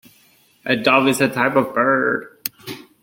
A Dove is a type of bird.